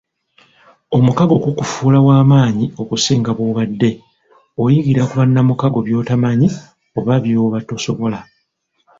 Omukago gukufuula w'amaanyi okusinga bw'obadde; oyigira ku bannamukago by'otamanyi oba byoba tosobola.